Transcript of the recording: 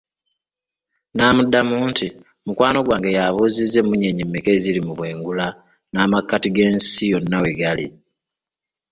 N'addamu nti, mukwano gwange yabuuziza emunyeenye mekka eziri mu bwengula, n'amakkati g'ensi yonna we gali?